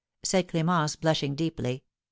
said Clémence, blushing deeply, "M.